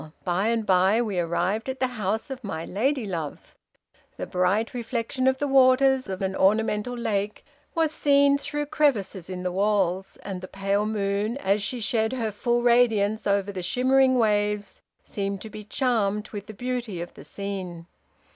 by and by we arrived at the house of my lady love. The bright reflection of the waters of an ornamental lake was seen through crevices in the walls; and the pale moon, as she shed her full radiance over the shimmering waves, seemed to be charmed with the beauty of the scene.